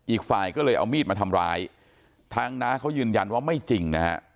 อีกฝ่ายก็เลยเอามีดมาทำร้ายทางน้าเขายืนยันว่าไม่จริงนะฮะ